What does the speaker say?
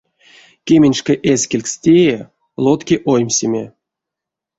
Кеменьшка эскелькст теи — лотки оймсеме.